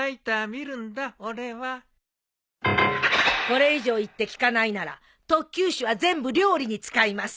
これ以上言って聞かないなら特級酒は全部料理に使います。